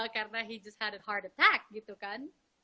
karena dia hanya ada penyerangan hati gitu kan